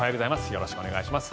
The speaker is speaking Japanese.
よろしくお願いします。